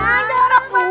jangan jorok mas